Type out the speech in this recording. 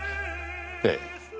ええ。